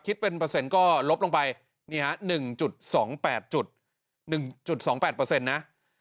คิดเป็นเปอร์เซ็นต์ก็ลบลงไปนี่ฮะ๑๒๘จุด๑๒๘เปอร์เซ็นต์นะ